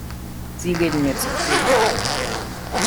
Sie reden mir zu viel.